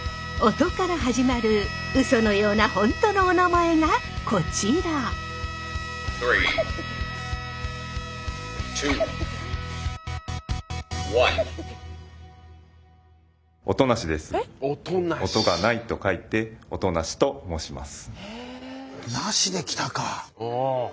音から始まるウソのようなホントのおなまえがこちら！と申します。